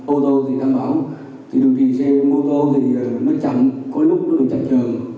ô tô thì đảm bảo thì đường truyền xe mô tô thì nó chậm có lúc nó được chạy trờn